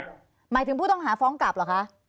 หมายถึงผู้ต้องหาฟ้องกลับเหรอคะ